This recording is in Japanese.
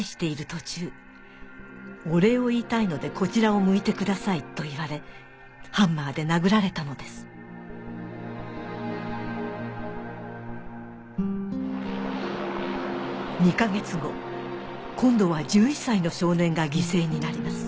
途中「お礼を言いたいのでこちらを向いてください」と言われハンマーで殴られたのです２か月後今度は１１歳の少年が犠牲になります